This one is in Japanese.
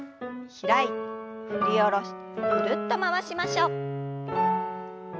開いて振り下ろしてぐるっと回しましょう。